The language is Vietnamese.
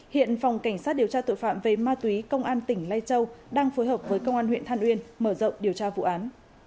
hiện phòng cảnh sát điều tra tội phạm về ma túy công an tỉnh lai châu đang phối hợp với công an huyện than uyên mở rộng điều tra vụ án